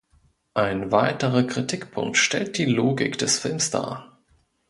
Ein weiterer Kritikpunkt stellt die Logik des Films dar.